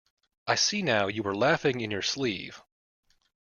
I see now you were laughing in your sleeve.